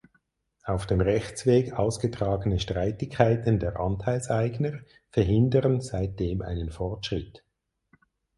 Auf dem Rechtsweg ausgetragene Streitigkeiten der Anteilseigner verhindern seitdem einen Fortschritt.